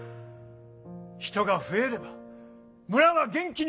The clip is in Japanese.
人が増えれば村は元気になるんです！